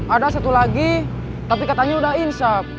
ada satu lagi tapi katanya udah insap